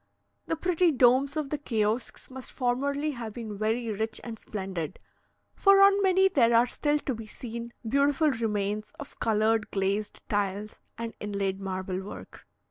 The pretty domes of the kiosks must formerly have been very rich and splendid, for on many there are still to be seen beautiful remains of coloured glazed tiles and inlaid marble work.